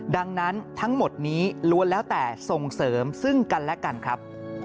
ดังนั้นทั้งหมดนี้ล้วนแล้วแต่ส่งเสริมซึ่งกันและกันครับ